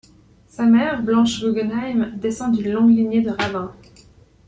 Sa mère, Blanche Gugenheim, descend d'une longue lignée de rabbins.